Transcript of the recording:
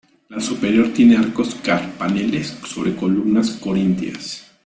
La superior tiene arcos carpaneles sobre columnas corintias.